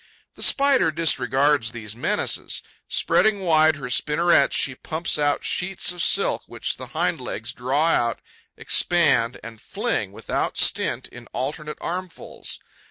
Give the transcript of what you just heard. The Spider disregards these menaces. Spreading wide her spinnerets, she pumps out sheets of silk which the hind legs draw out, expand and fling without stint in alternate armfuls.